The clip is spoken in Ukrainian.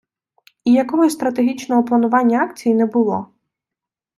І якогось стратегічного планування акції не було.